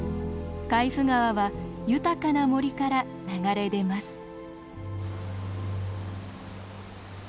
海部川は豊かな森から流れ出ます。